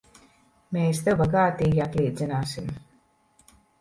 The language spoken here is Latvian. Mēs tev bagātīgi atlīdzināsim!